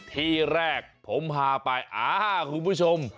ที่แรกผมพาไปอ่าคุณผู้ชม